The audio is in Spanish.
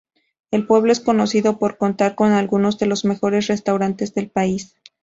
El pueblo es conocido por contar con algunos de los mejores restaurantes del país.